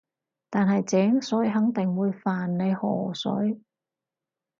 但係井水肯定會犯你河水